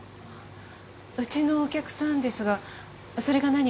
うちのお客さんですがそれが何か？